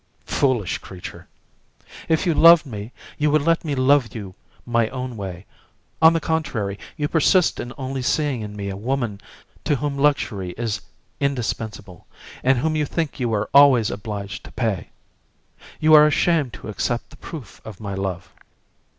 "Foolish creature!" "If you loved me, you would let me love you my own way; on the contrary, you persist in only seeing in me a woman to whom luxury is indispensable, and whom you think you are always obliged to pay. You are ashamed to accept the proof of my love.